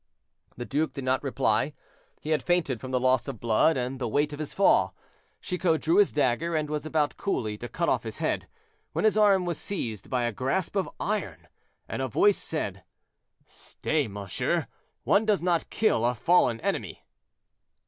The duke did not reply; he had fainted from the loss of blood and the weight of his fall. Chicot drew his dagger, and was about coolly to cut off his head, when his arm was seized by a grasp of iron, and a voice said: "Stay! monsieur; one does not kill a fallen enemy."